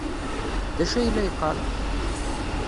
D acu ay la yeqqar?